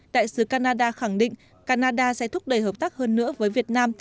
đại sứ canada khẳng định canada sẽ thúc đẩy hợp tác hơn nữa với việt nam